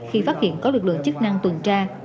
khi phát hiện có lực lượng chức năng tuần tra